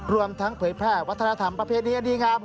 รวมทั้งเผยแพร่วัฒนธรรมประเภทเนี้ยดีกราม